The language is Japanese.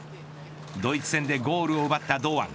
ドイツ戦でゴールを奪った堂安